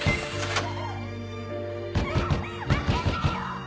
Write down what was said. ・・ねぇ開けてよ！